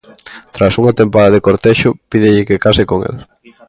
Tras unha tempada de cortexo, pídelle que case con el.